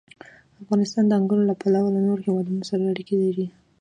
افغانستان د انګور له پلوه له نورو هېوادونو سره اړیکې لري.